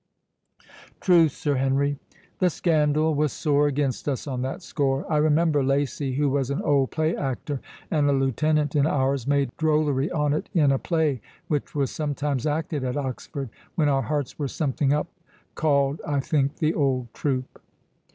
"Truth, Sir Henry, the scandal was sore against us on that score. I remember Lacy, who was an old play actor, and a lieutenant in ours, made drollery on it in a play which was sometimes acted at Oxford, when our hearts were something up, called, I think, the Old Troop."